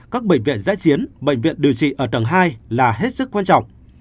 các bệnh viện giãi chiến bệnh viện điều trị ở tầng hai là hết sức quan trọng